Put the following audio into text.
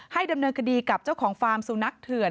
ดำเนินคดีกับเจ้าของฟาร์มสุนัขเถื่อน